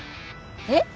えっ？